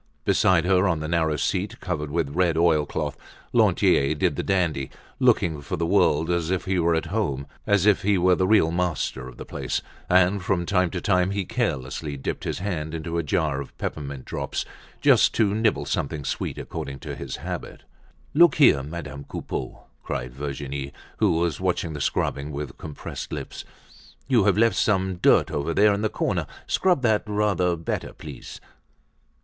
Beside her, on the narrow seat covered with red oil cloth, Lantier did the dandy, looking for the world as if he were at home, as if he were the real master of the place, and from time to time he carelessly dipped his hand into a jar of peppermint drops, just to nibble something sweet according to his habit. "Look here, Madame Coupeau!" cried Virginie, who was watching the scrubbing with compressed lips, "you have left some dirt over there in the corner. Scrub that rather better please."